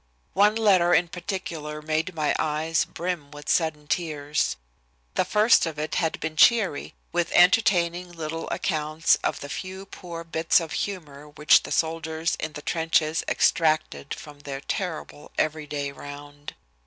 One letter in particular made my eyes brim with sudden tears. The first of it had been cheery, with entertaining little accounts of the few poor bits of humor which the soldiers in the trenches extracted from their terrible every day round.